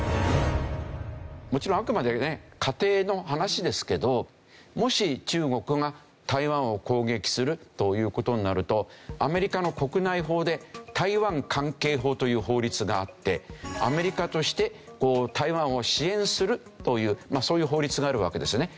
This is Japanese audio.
もちろんあくまでね仮定の話ですけどもし中国が台湾を攻撃するという事になるとアメリカの国内法で台湾関係法という法律があってアメリカとして台湾を支援するというそういう法律があるわけですね。